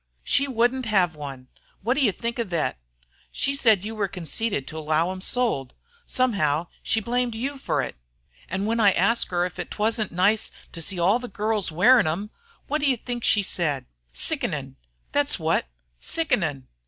"She wouldn't hev one! Wot do you think of thet? Said you were conceited to allow 'em sold. Somehow she blamed you fer it. An' when I asked her if 't wasn't nice to see all the girls a wearin' 'em wot you think she said? 'Sickenin',' thet's wot, 'sickenin'!'